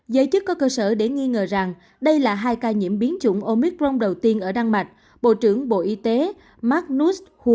giới chức có cơ sở để nghi ngờ rằng đây là hai ca nhiễm biến chủng omicron đầu tiên ở đan mạch bộ trưởng bộ y tế mark nus hun